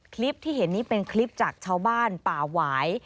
คลิปที่เห็นนี้เป็นคลิปจากชาวบ้านป่าหวาย